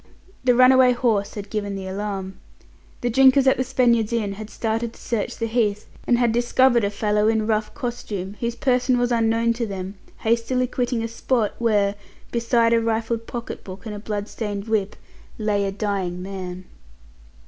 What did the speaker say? The runaway horse had given the alarm. The drinkers at the Spaniards' Inn had started to search the Heath, and had discovered a fellow in rough costume, whose person was unknown to them, hastily quitting a spot where, beside a rifled pocket book and a blood stained whip, lay a dying man.